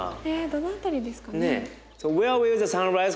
どの辺りですかね？